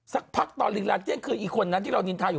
สักพักตอนนี้มาอยู่คือไอ้คนนั้นที่เรายินทาอยู่